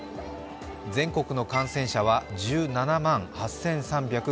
全国の感染者は１７万８３５６人。